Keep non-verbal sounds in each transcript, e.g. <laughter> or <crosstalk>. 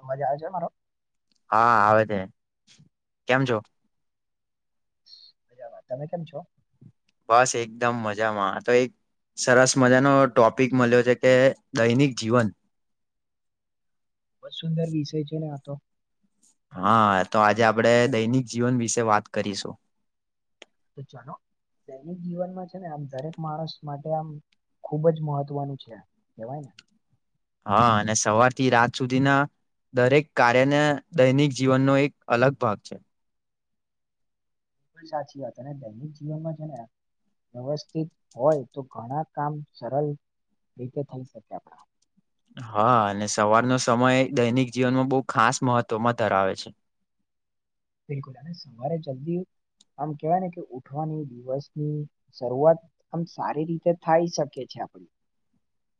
અવાજ આવે છે મારો? હા આવે છે. કેમ છો? મજામા. તમે કેમ છો? બસ એકદમ મજામાં તો એ સરસ મજાનો ટોપિક મલયો છે કે દૈનિક જીવન ખુબ જ સુંદર વિષય છે ને આ તો હા તો આજે આપડે દૈનિક જીવન વિશે વાત કરીશું. તો ચાલો દૈનિક જીવનમાં છે ને આમ દરેક માણસ માટે આમ ખુબ જ મહત્વનું છે. કહેવાય ને હા અને સવાર થી રાત સુધી ના દરેક કાર્યને દૈનિક જીવનનો એક અલગ ભાગ છે. સાચી વાત અને દૈનિક જીવનમાં છે ને વ્યવસ્થિત હોય તો ઘણા કામ સરલ રીતે થઈ શકે આપણા હા, અને સવારનો સમય દૈનિક જીવનમાં બહુ ખાસ મહત્વમાં ધરાવે છે. બિલકુલ સવારે જલ્દી આમ કેવાય ને કે ઉઠવાની દિવસની શરૂઆત આમ સારી રીતે થાય શકે છે, આપડી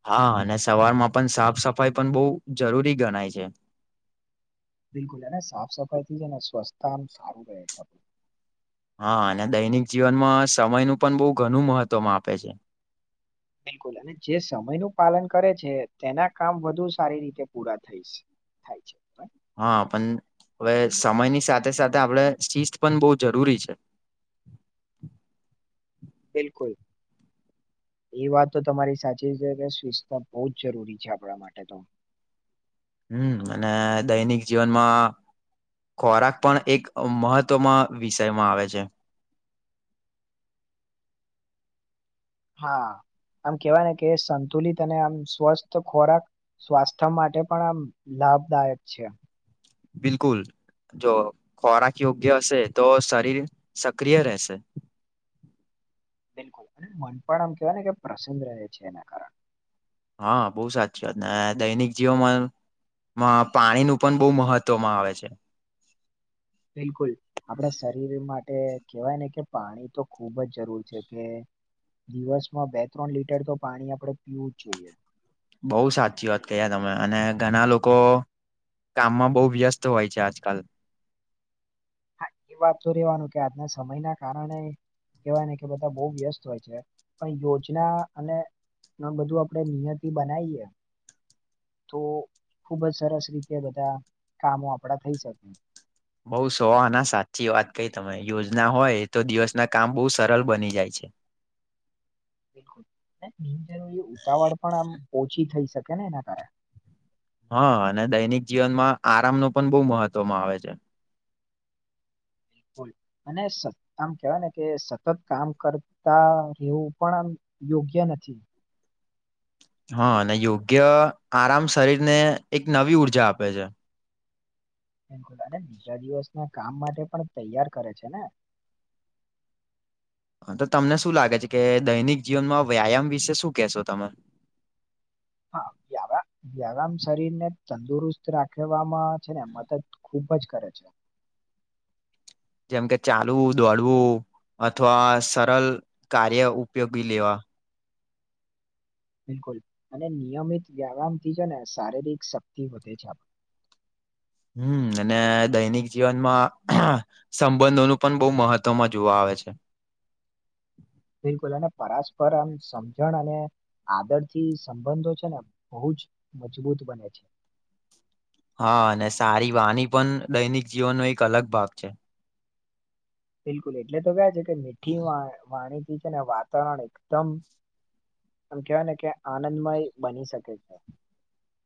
હા અને સવારમાં પણ સાફ સફાઈ પણ બો જરૂરી ગણાય છે. બિલકુલ અને સાફ સફાઈથી છે, ને સ્વસ્થતા આમ સારું રહે છે આપણું. હા અને દૈનિક જીવનમાં સમયનું પણ બો ઘણું મહત્વ માપે છે. બિલકુલ અને જે સમયનું પાલન કરે છે તેના કામ વધુ સારી રીતે પૂરા થઈશ થાય છે. હા, પન હવે સમયની સાથે સાથે આપણે શિસ્ત પણ બો જરૂરી છે. <inaudible> બિલકુલ એ વાત તો તમારી સાચી છે સ્વિસ્તા બહુ જ જરૂરી છે. આપણા માટે તો હમ અને દૈનિક જીવનમાં ખોરાક પણ એક મહત્વમા વિષયમાં આવે છે. હા. આમ કેવાય ને કે સંતુલિત અને આમ સ્વસ્થ ખોરાક સ્વાસ્થ્ય માટે પણ આમ લાભદાયક છે. બિલકુલ જો ખોરાક યોગ્ય હશે તો શરીર સક્રિય રહેશે. બિલકુલ અને મન પણ આમ કેવાય ને કે પ્રસન રહે છે એના કારણે હા બોવ સાચીત ને દૈનિક જીવોમાં માં પાણી નું પણ બોવ મહત્વમાં આવે છે. બિલકુલ આપણા શરીરમાં કેહેવાય ને કે પાણી તો ખુબ જ જરૂર છે કે દિવસમાં બે ત્રણ લીટર તો પાણી આપણે પીવું જ જોઈએ બોવ સાચી વાત કહીયા તમે અને ઘણા લોકો કામમાં બો વ્યસ્ત હોય છે આજકાલ હા એ વાત તો રેવાનું કે આજના સમય ના કારણે કેવાય ને કે બધા બો વ્યસ્ત હોય છે પણ યોજના અને એ બધું આપણે નિયતિ બનાવીએ તો ખુબ જ સરસ રીતે બધા કામો આપડા થઈ શકે બોવ સોહના સાચી વાત કઈ તમે યોજના હોય તો દિવસના કામ બોવ સરલ બની જાય છે. <inaudible> બિલકુલ બિનજરૂરી ઉતાવળ પણ આમ ઓછી થઈ શકે ને એના કારણે? હા અને દૈનિક જીવનમાં આરામનો પણ બહુ મહત્વમાં આવે છે. અને આમ કેવાયને કે સતત કામ કરતા રહેવું પણ આમ યોગ્ય નથી. હા અને યોગ્ય આરામ શરીરને એક નવી ઉર્જા આપે. છે બિલકુલ અને બીજા દિવસના કામ માટે પણ તૈયાર કરે છે ને. <inaudible> હા તો તમને શું લાગે છે કે દૈનિક જીવનમાં વ્યાયામ વિશે શું કેહેશો તમે? <unintelligible> વ્યાયામ શરીર ને તંદુરસ્ત રાખવામાં છે ને મદદ ખૂબ જ કરે છે. જેમ કે ચાલવું દોડવું અથવા સરલ કાર્ય ઉપયોગી લેવા બિલકુલ અને નિયમિત વ્યાયામથી છે ને શારીરિક શક્તિ વધે છે આપ <unintelligible> હમ અને દૈનિક જીવનમાં સંબંધોનું પણ બહુ મહત્વમાં જોવા આવે છે બિલકુલ અને પરસ્પર આમ સમજણ અને આદરથી સંબંધો છે ને બહુ જ મજબૂત બને છે. હા અને સારીવાણી પણ દૈનિક જીવનનો એક અલગ ભાગ છે. બિલકુલ એટલે તો ક્યા છે કે મીઠી વાણીથી છે ને વાતાવરણ એકદમ એમ કેવાય ને કે આનંદમય બની શકે છે.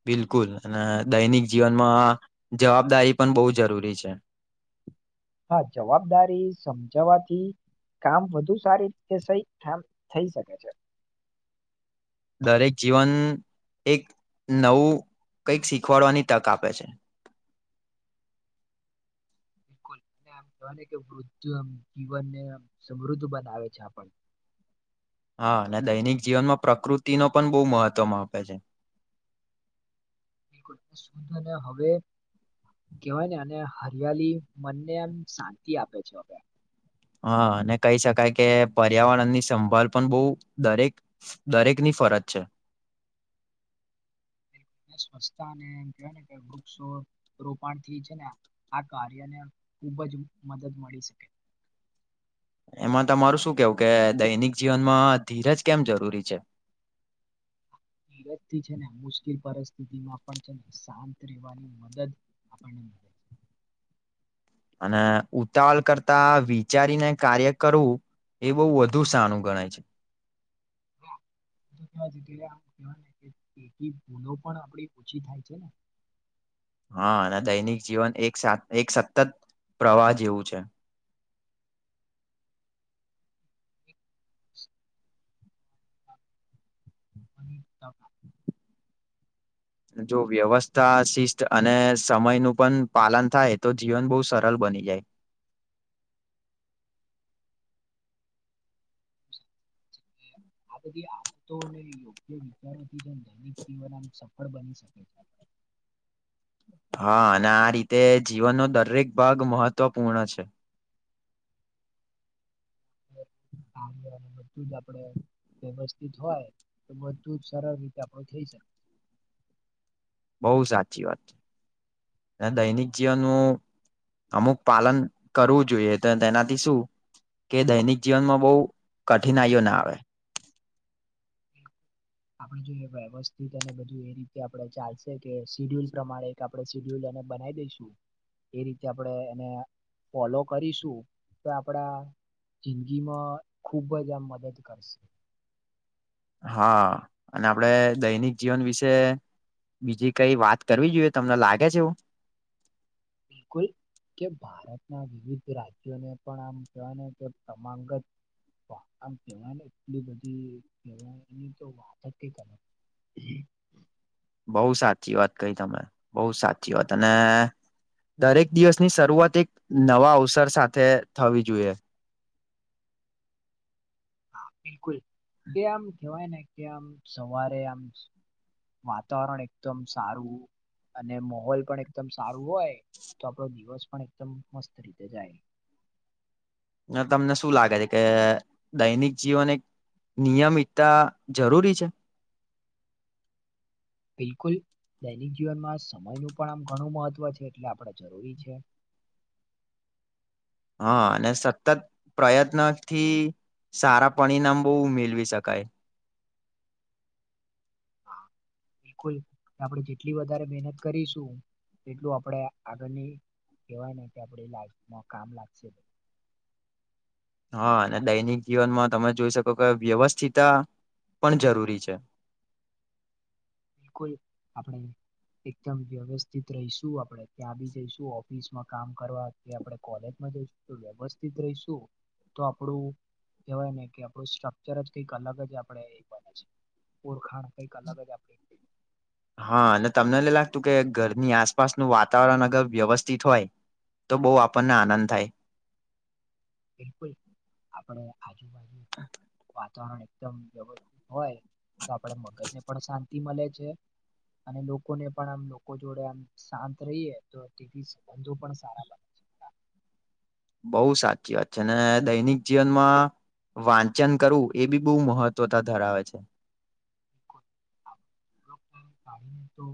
બિલકુલ અને દૈનિક જીવનમાં જવાબદારી પણ બહુ જરૂરી છે. <unintelligible> હા જવાબદારી સમજવાથી કામ વધુ સારી રીતે સહી કામ થઈ શકે છે. દરેક જીવન એક નવું કંઈક શીખવાડવાની તક આપે છે. <inaudible> બિલકુલ અને આમ કેયા કે વૃદ્ધમ જીવનને સમૃદ્ધ બનાવે છે આપણ હા અને દૈનિક જીવનમાં પ્રકૃતિ ન પણ બહુ મહત્વમ આપે છે. <inaudible> <inaudible> કેવાય ને અને હરિયાળી મનને એમ શાંતિ આપે છે હવે હા અને કહી શકાય કે ર્યાવરણની સંભાળ પણ બહું દરેક દરેક ની. ફરજ છે અને સ્વચ્છતા કેવાયને કે વૃક્ષો રોપણથી છે ને આ કાર્યને ખૂબ જ મદદ મળી શકે. <unintelligible> એમાં તમારું શું કેવું કે દૈનિક જીવનમાં ધીરજ કેમ જરૂરી છે? નિરજ થી છે ને મુશ્કેલ પરિસ્થિતિ માં પણ છે ને શાંત વાની મદદ આપણને મળે છે. <inaudible> અને ઉતાવલ કરતા વિચારીને કાર્ય કરવું. એ બહુ વધુ સણું ગણાય છે. વા્યારે આમ કવાને ભૂલો પણ આપડી ઓછી થાય છે ને. <inaudible> હા અને દૈનિક જીવન એક એક સતત પ્રવાહ જેવું છે. અ <unintelligible> જો વ્યવસ્થા શિસ્ત અને સમય નું પણ પાલન થાય તો જીવન બહુ સરળ બને. બની જાય. અને હમ <inaudible> આ બધી આતોને યોગ્ય વિચારોથી જે દૈનિક જીવન આમ સફળ બની શકે છે. <inaudible> હા અને આ રીતે જીવનનો દરેક ભાગ મહત્વપૂર્ણ છે. <inaudible> આ બધું જ આપડણે વ્યવસ્થિત હોય તો બધું જ સરળ રીતે આપ થઈ શકે બહ સાચી વાત છે અને દૈનિક જીવનનુંું અમુક પાલન કરવું જોઈએ તો તેનાથી શું કે દૈનિક જીવનમાં બહુ કઠિનાઈઓ ના આવે આપડે જો વ્યવસ્થિત અને બધું એ રીતે આપડણે ચાલશે કે શીડ્યુલ પ્રમાણે એક આપડણે સીડ્યુલ બનાવી દઈશું એ રીતે આપણેે એને ફોલો કરીશું તો આપડા જિંદગીમાં ખુબ જ આમ મદદ કરશે. હા અને આપડે દૈનિક જીવન વિશે બીજી કઈ વાત કરવી જોઈએ તમને લાગે છે એવું બિલકુલ કે ભારતના વિવિધ રાજ્યોને પણ આમ કહેવા કે પ્રમાંંગત આમ કેહેવાય ને એટલી બધી કેહેવાય એની તો વાત કર બહ સાચી વાત કઈ તમે બહુ સાચી વાત અને દરેક દિવસની શરૂઆત એક નવા અવસર સાથે થવી જોઈએ. <inaudible> હા બિલકુલ કે આમ કેવાય ને કે આમ સવારે આમ વાતાવરણ એકદમ સારું અને મોહોલ પણ એકદમ સારું હોય તો આપણો દિવસ પણ એકદમ મસ્ત રીતે જાય. તમને શું લાગે છે કે દૈનિક જીવન એક નિયમિતતા જરૂરી છે. બિલકુલ દૈનિક જીવનમાં સમયનું પણ આમ ઘણું મહત્ત્વ છે એટલે આપણે જરૂરી છે. હા અને સતત પ્રયત્ન થી સારા પરિણામ બહુ મેળવી શકાય. હા બિલકુલ આપણે જેટલી વધારે મહેનત કરીશું તેટલું આપણે આગળની કેવાય ન કે આપડી લાઈફમાં કામ લાગશે. હા અને દૈનિક જીવનમાં તમે જોઈ શકો કે વ્યવસ્થિત પણ જરૂરી છે. બિલકુલ આપણે એકદમ વ્યવસ્થિત રહીશું આપણે ત્યાં બી જઈશું ઓફિસ માં કામ કરવા કે આપણે કોલેજમાં વ્યવસ્થિત રહીશું તો આપડું કહેવાય ને કે આપણું સ્ટ્રક્ચર જ કઈક અલગ જ આપણેેને છે. ઓળખાણ કઈક અલગ જ આપણે હા અને તમને લાગતું કે ઘરની આસપાસનું વાતાવરણ અગર વ્યવસ્થિત હોય તો બહુ આપણને આનંદ થાય. બિલકુલ આપડ આજુબાજુત રણ એકદમ વ્યવસ્થિત હોય તો આપણે મગજ ને પણ શાંતિ મળે છે. અને લોકોને પણ આમ લોકો જોડે આમ શાંત રહીએ તો તે સંબંધો પણ સારા બને છે. બોઉ સાચી વાત છે અને દૈનિક જીવનમાં વાંચન કરવું એ બી બહુ મહત્ત્વતા ધરાવે છે. <inaudible> તો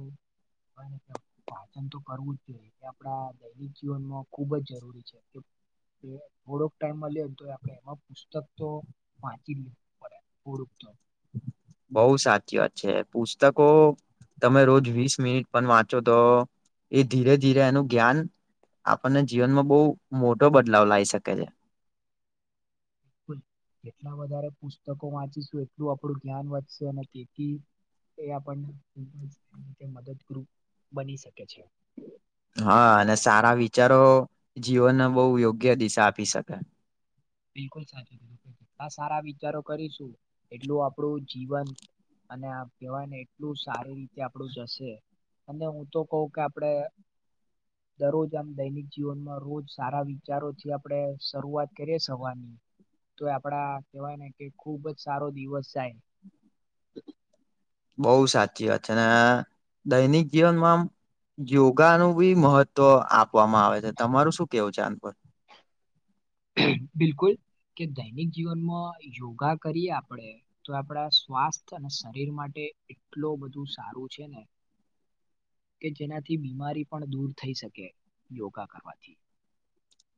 પાચન તો કરવું જ જોઈએ એ આપડા દૈનિક જીવનમાં ખુબ જ જરૂરી છે. થોડોક ટાઈમમાં લેને તો આપણે એમાં પુસ્તક તો વાંચી લેું પડે પર તો <inaudible> બઉ સાચી વાત છે પુસ્તકો તમે રોજ વીસ મિનિટ પણ વાંચો તો એ ધીરે ધીરે એનું જ્ઞાન આપણને જીવનમાં બહુ મોટો બદલાવ લાવી શકે છે. એટલા વધારે પુસ્તકો વાંચીશું એટલું આપણું જ્ઞાન વધશે અને તેથી એ આપ મદદ બની શકે છે. હા અને સારા વિચારો જીવનને બહુ યોગ્ય દિશા આપી શકે. બિલકુલ સાચી સારા વિચારો કરીશું એટલું આપણું જીવન અને આ કહેવાને એટલું સારી રીતે આપડું જશે. અને હું તો કહ કે આપડે દરરોજ આમ દૈનિક જીવનમાં રોજ સારા વિચારોથી આપડણે શરૂઆત કરીએ. થવા તો આપડા કવાય ને કે ખુબ જ સારો દિવસ જાય <inaudible> બઉ સાચી વાત છે દૈનિક જીવનમાં આમ યોગાનું બી મહત્વ આપવામાં આવે છે તમારું શું કેવું છેન પર? બિકુલ કે દૈનિક જીવનમાં યોગા કરીએ આપણેે તો આપણા સ્વાસ્થ્ય અને શરીર માટે એટલું બધું સારું છે ને <inaudible> કે જેનાથી બીમારી પણ દૂર થઈ શકે યોગા કરવાથી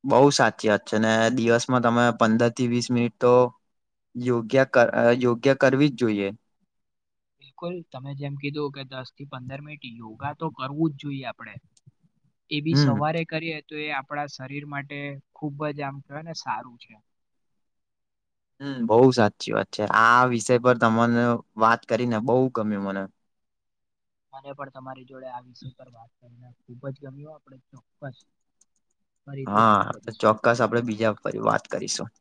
બઉુ સાચી વાત છે ને દિવસમાં તમે પંદર થી વીસ મિનિટ તો યોગ્ય યોગ્ય કરવી જ જોઈએ. બિલકુલ તમે જેમ કીધું કે દસ થી પંદર મિનિટ યોગા તો કરવું જ જોઈએ આપડે <inaudible> એ બી હમ સવારે કરી તો એ આપણા શરીર માટે ખુબ જ આમ કહેવાય ને સારું છે હમ્મ બહુ સાચી વાત છે આ વિષય પર તમને વાત કરીને બહુ ગમ્યું મને મને પણ તમારી જોડે આ વિષય પર વાત કરી નાખ ખુબ જ ગમ્યું આપડ ચોક્કસ ફરીથી વાત હા કરીશું ચોક્કસ આપણે બીજા પર વાત કરીશું. <inaudible>